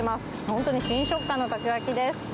ほんとに新食感のたこ焼きです。